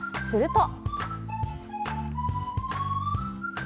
すると。